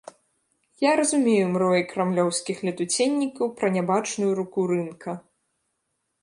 Я разумею мроі крамлёўскіх летуценнікаў пра нябачную руку рынка.